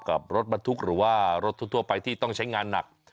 กับรถบรรทุกหรือว่ารถทั่วไปที่ต้องใช้งานหนัก